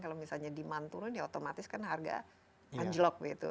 kalau misalnya demand turun ya otomatis kan harga anjlok begitu